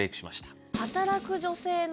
働く女性の。